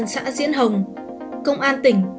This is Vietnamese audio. xã diễn hồng công an tỉnh